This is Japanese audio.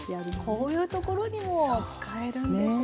こういうところにも使えるんですね。